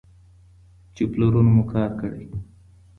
چې پلرونو مو کار کړی.